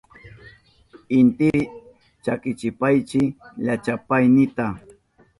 Intipi chakichipaychi llachapaynita.